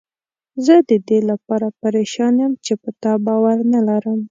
زه ددې لپاره پریشان یم چې په تا باور نه لرم.